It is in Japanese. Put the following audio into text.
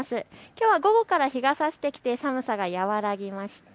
きょうは午後から日がさしてきて寒さが和らぎました。